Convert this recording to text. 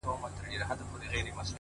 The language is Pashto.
ما به له زړه درته ټپې په زړه کي وويلې!